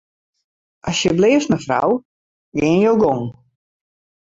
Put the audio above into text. Asjebleaft mefrou, gean jo gong.